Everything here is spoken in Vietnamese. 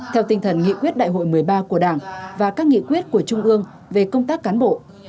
theo tinh thần nghị quyết đại hội một mươi ba của đảng và các nghị quyết của trung ương về công tác cán bộ